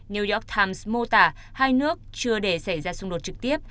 new york times mô tả hai nước chưa để xảy ra xung đột trực tiếp